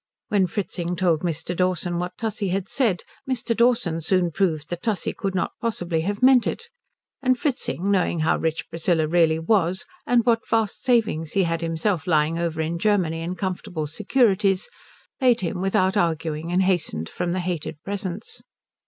When Fritzing told Mr. Dawson what Tussie had said Mr. Dawson soon proved that Tussie could not possibly have meant it; and Fritzing, knowing how rich Priscilla really was and what vast savings he had himself lying over in Germany in comfortable securities, paid him without arguing and hastened from the hated presence.